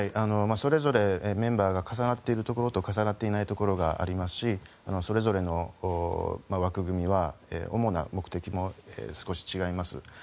それぞれメンバーが重なっているところと重なっていないところがありますしそれぞれの枠組みは主な目的も少し違います。